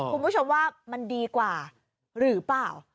คุณผู้ชมว่ามันดีกว่าหรือเปล่า